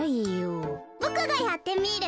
ボクがやってみる。